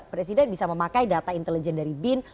presiden bisa memakai data intelijen dari bin